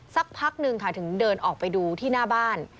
สักพักนึงค่ะถึงเดินออกไปดูที่หน้าบ้าน